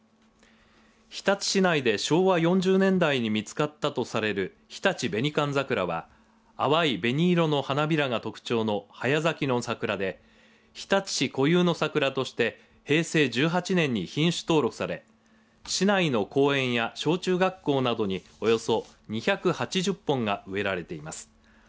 日立市内で昭和４０年代に見つかったとされる日立紅寒桜は淡い紅色の花びらが特徴の早咲きの桜で日立市固有の桜として平成１８年に品種登録され市内の公園や小中学校などにおよそ２８０本が植えられています。